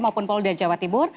maupun polri dan jawa timur